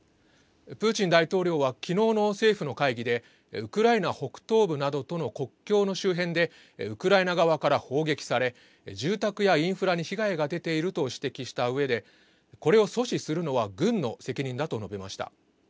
プーチン大統領は昨日の政府の会議でウクライナ北東部などとの国境の周辺でウクライナ側から砲撃され住宅やインフラに被害が出ていると指摘したうえでこれを阻止するのは軍の責任だと述べました。